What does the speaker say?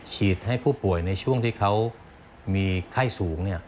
ให้ผู้ป่วยในช่วงที่เขามีไข้สูง